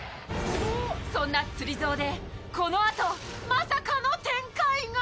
そんなつりＺＯでこのあとまさかの展開が